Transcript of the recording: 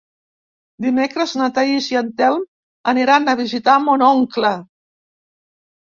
Dimecres na Thaís i en Telm aniran a visitar mon oncle.